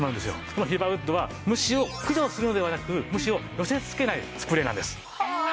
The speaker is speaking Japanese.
このヒバウッドは虫を駆除するのではなく虫を寄せ付けないスプレーなんです。はあ。